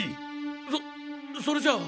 そそれじゃあ。